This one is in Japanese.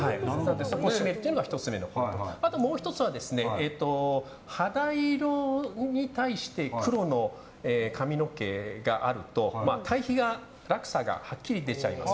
あともう１つは、肌色に対して黒の髪の毛があると対比、落差がはっきり出ちゃいます。